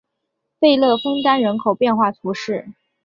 贝勒枫丹人口变化图示